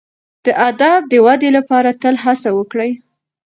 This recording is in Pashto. د ادب د ودي لپاره تل هڅه وکړئ.